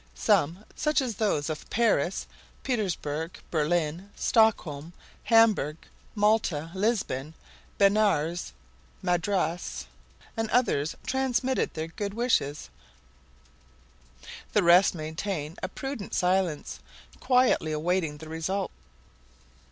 Some, such as those of Paris, Petersburg, Berlin, Stockholm, Hamburg, Malta, Lisbon, Benares, Madras, and others, transmitted their good wishes; the rest maintained a prudent silence, quietly awaiting the result.